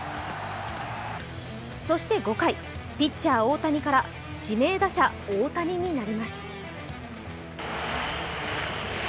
そして５回、ピッチャー・大谷から指名打者・大谷になります。